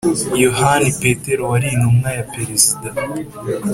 yohani petero wari intumwa y' perezida.